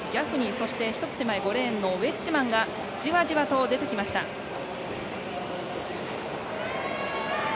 そして５レーンのウェッジマンがじわじわと出てきました。